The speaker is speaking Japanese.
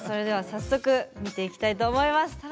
早速、見ていきたいと思います。